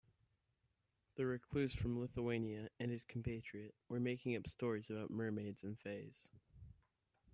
The recluse from Lithuania and his compatriot were making up stories about mermaids and fays.